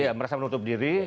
iya merasa menutup diri